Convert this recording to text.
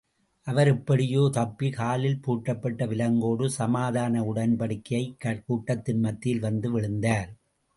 அவர் எப்படியோ தப்பி, காலில் பூட்டப்பட்ட விலங்கோடு, சமாதான உடன்படிக்கைக் கூட்டத்தின் மத்தியில் வந்து விழுந்தார்.